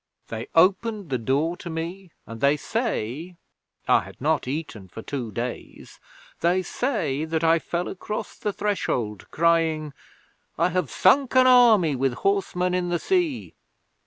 They opened the door to me, and they say I had not eaten for two days they say that I fell across the threshold, crying: "I have sunk an army with horsemen in the sea!"'